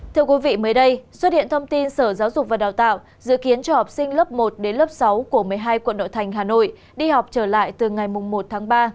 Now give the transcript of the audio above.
thưa quý vị mới đây xuất hiện thông tin sở giáo dục và đào tạo dự kiến cho học sinh lớp một đến lớp sáu của một mươi hai quận nội thành hà nội đi học trở lại từ ngày một tháng ba